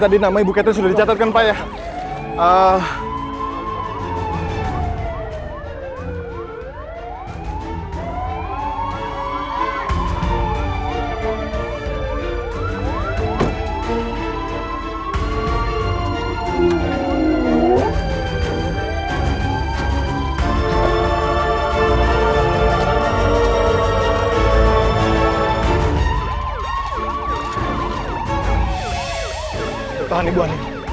itu tadi nama ibu kater sudah dicatatkan pak ya